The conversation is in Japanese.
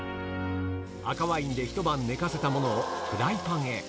赤ワインで一晩寝かせた物をフライパンへ。